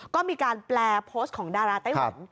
ก็มีการแปลโพสต์ของดาราไต้หวัน